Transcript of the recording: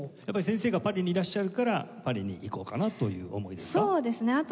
やっぱり先生がパリにいらっしゃるからパリに行こうかなという思いですか？